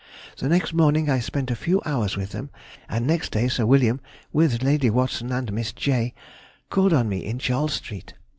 The next morning I spent a few hours with them, and next day Sir William, with Lady Watson and Miss Jay, called on me in Charles Street.